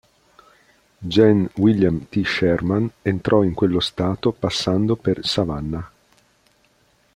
Gen. William T. Sherman entrò in quello Stato passando per Savannah.